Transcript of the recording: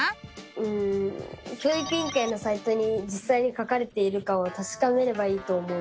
うん教育委員会のサイトにじっさいに書かれているかをたしかめればいいと思う！